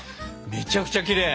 めちゃくちゃきれい。